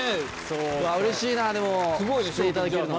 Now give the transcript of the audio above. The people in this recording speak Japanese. うれしいなでも出演いただけるの。